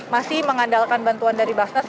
masih mengandalkan bantuan dari basnas